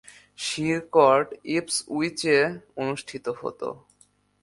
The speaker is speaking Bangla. শীর-কোর্ট ইপসউইচে অনুষ্ঠিত হতো।